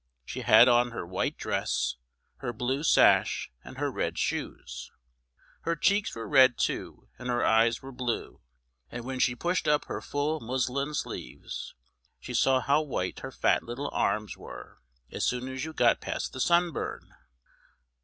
She had on her white dress, her blue sash, and her red shoes. Her cheeks were red, too, and her eyes were blue, and when she pushed up her full muslin sleeves, she saw how white her fat little arms were as soon as you got past the sunburn.